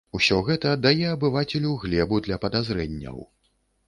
Усё гэта дае абывацелю глебу для падазрэнняў.